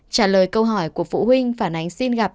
trả lời câu hỏi của phụ huynh phản ánh xin gặp